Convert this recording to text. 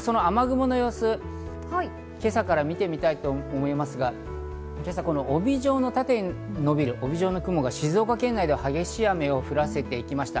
その雨雲の様子、今朝から見てみたいと思いますが、今朝、この帯状の縦に伸びる雲が静岡県内で激しい雨を降らせて行きました。